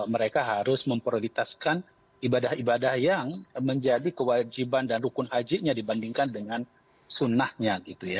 mereka harus memprioritaskan ibadah ibadah yang menjadi kewajiban dan rukun hajinya dibandingkan dengan sunnahnya